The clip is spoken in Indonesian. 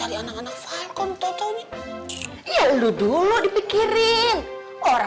iya ayah tunggu ya